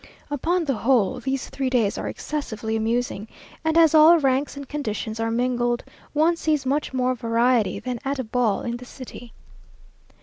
Upon the whole, these three days are excessively amusing, and as all ranks and conditions are mingled, one sees much more variety than at a ball in the city.